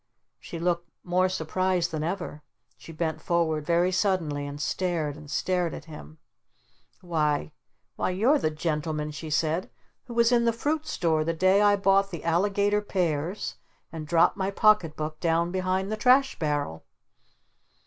She looked more surprised than ever. She bent forward very suddenly and stared and stared at him. "Why Why you're the gentleman," she said, "who was in the Fruit Store the day I bought the Alligator pears and dropped my pocket book down behind the trash barrel?"